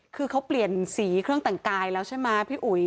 คือเขาเปลี่ยนสีเครื่องแต่งกายแล้วใช่ไหมพี่อุ๋ย